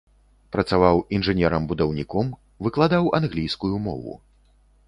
Працаваў інжынерам-будаўніком, выкладаў англійскую мову.